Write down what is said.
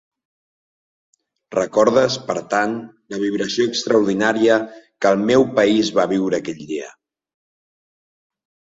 Recordes, per tant, la vibració extraordinària que el meu país va viure aquell dia.